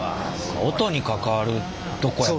音に関わるとこやもんね。